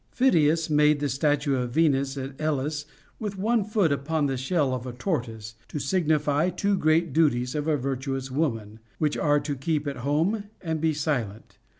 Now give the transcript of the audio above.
Phidias made the statue of Venus at Elis with one foot upon the shell of a tortoise, to signify two great duties of a virtuous woman, which are to keep at home and be silent.